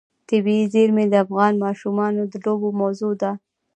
طبیعي زیرمې د افغان ماشومانو د لوبو موضوع ده.